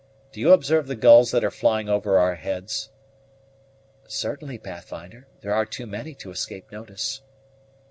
Do you observe the gulls that are flying over our heads?" "Certainly, Pathfinder; there are too many to escape notice."